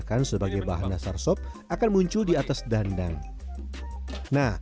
karena biar kalau di penyajian nggak pada lengket